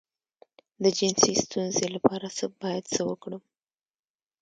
د جنسي ستونزې لپاره باید څه وکړم؟